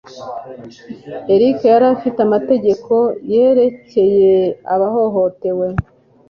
Eric yari afite amategeko yerekeye abahohotewe.